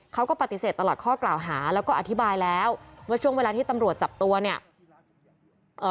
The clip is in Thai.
เขาก็ปฏิเสธตลอดข้อกล่าวหาแล้วก็อธิบายแล้วว่าช่วงเวลาที่ตำรวจจับตัวเนี่ยเอ่อ